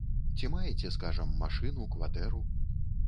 Ці маеце, скажам, машыну, кватэру?